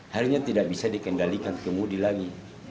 harinya tidak bisa dikendalikan kemudi lagi